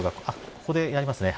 ここでやりますね。